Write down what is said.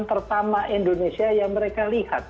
pertama indonesia yang mereka lihat